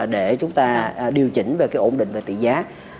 để chúng ta điều chỉnh về cái ổn định về tỷ giá